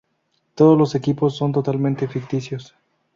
Todos los equipos son totalmente ficticios.